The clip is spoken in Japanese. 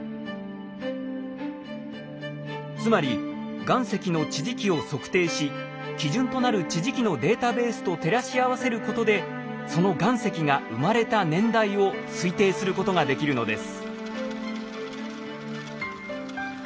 つまり岩石の地磁気を測定し基準となる地磁気のデータベースと照らし合わせることでその岩石が生まれた年代を推定することができるのです。